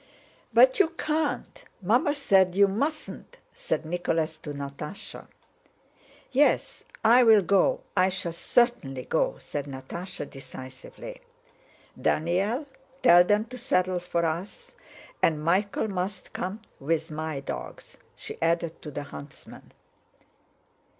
"But you can't. Mamma said you mustn't," said Nicholas to Natásha. "Yes, I'll go. I shall certainly go," said Natásha decisively. "Daniel, tell them to saddle for us, and Michael must come with my dogs," she added to the huntsman.